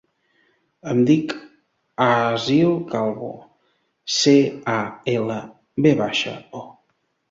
Em dic Aseel Calvo: ce, a, ela, ve baixa, o.